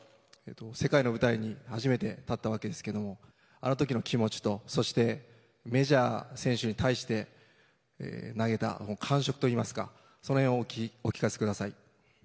世界の舞台に初めて立ったわけですけれどもあの時の気持ちと、そしてメジャーの選手に対して投げた感触といいますかその辺をお聞かせください。